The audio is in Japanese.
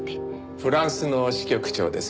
フランスの支局長です。